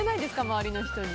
周りの人に。